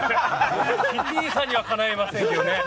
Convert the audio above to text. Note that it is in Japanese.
キティさんにはかないませんけどね。